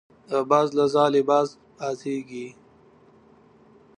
د باز له ځالې باز پاڅېږي.